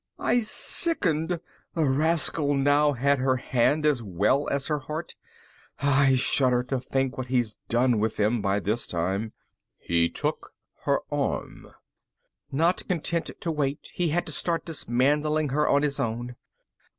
_ I sickened. The rascal now had her hand, as well as her heart. I shudder to think what he's done with them, by this time. ... he took her arm. Not content to wait, he had to start dismantling her on his own.